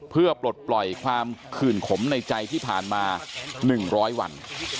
เพื่อปลดปล่อยความขื่นขมในใจที่ผ่านมา๑๐๐วัน